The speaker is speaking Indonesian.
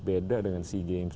beda dengan sea games